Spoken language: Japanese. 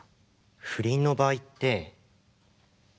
不倫の場合って。